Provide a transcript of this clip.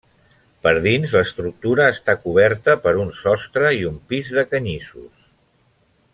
Per dins l'estructura està coberta per un sostre i un pis de canyissos.